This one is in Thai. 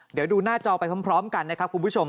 เดี๋ยวดูหน้าจอไปพร้อมกันนะครับคุณผู้ชม